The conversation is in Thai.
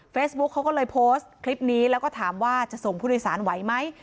เขาก็เลยโพสต์คลิปนี้แล้วก็ถามว่าจะส่งผู้โดยสารไหวไหม